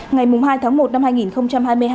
ngày hai tháng một năm hai nghìn hai mươi hai